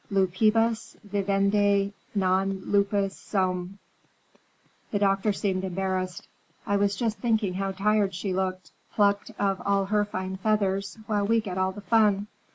Lupibus vivendi non lupus sum." The doctor seemed embarrassed. "I was just thinking how tired she looked, plucked of all her fine feathers, while we get all the fun.